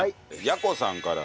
やこさんから。